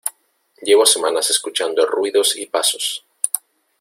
llevo semanas escuchando ruidos y pasos.